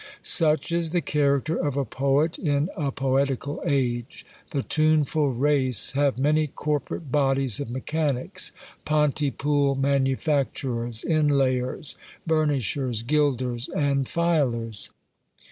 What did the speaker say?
Such is the character of a poet in a poetical age! The tuneful race have many corporate bodies of mechanics; Pontypool manufacturers, inlayers, burnishers, gilders, and filers!